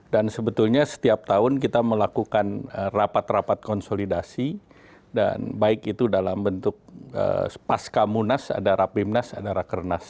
dan sebetulnya setiap tahun kita melakukan rapat rapat konsolidasi dan baik itu dalam bentuk paska munas ada rapimnas ada rakernas